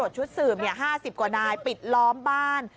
ชุดสืบเนี่ยห้าสิบกว่านายปิดล้อมบ้าน